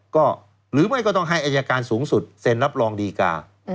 ก็หรือไม่ก็ต้องให้อายการสูงสุดเซ็นรับรองดีกา